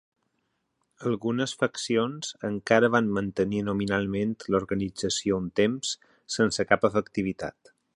Algunes faccions encara van mantenir nominalment l'organització un temps sense cap efectivitat.